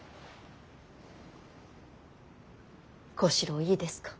小四郎いいですか。